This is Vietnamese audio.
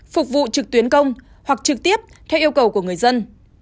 phục vụ trực tuyến công hoặc trực tiếp theo yêu cầu của người dân